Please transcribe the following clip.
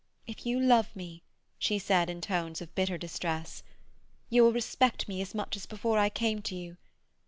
"If you love me," she said in tones of bitter distress, "you will respect me as much as before I came to you.